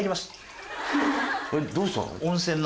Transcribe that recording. どうしたの？